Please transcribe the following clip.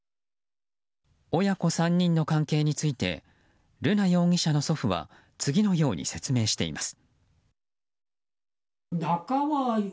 親子３人の関係について瑠奈容疑者の祖父は次のように説明しています。